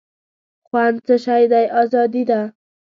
خوند څه شی دی آزادي ده.